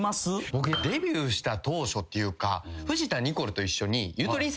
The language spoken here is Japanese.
僕デビューした当初っていうか。